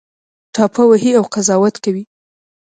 ټاپه وهي او قضاوت کوي